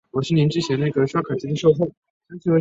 一切都像是重新开始